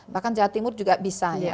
bahkan jawa timur juga bisa ya